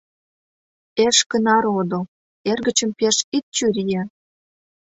Эшкына родо, эргычым пеш ит чурие.